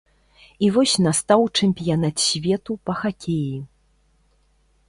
І вось настаў чэмпіянат свету па хакеі.